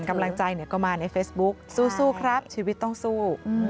กำลังใจก็มาในเฟซบุ๊คสู้ครับชีวิตต้องสู้